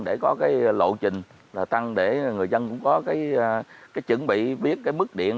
để có cái lộ trình tăng để người dân cũng có cái chuẩn bị biết cái mức điện